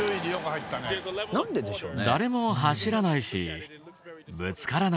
なんででしょうね？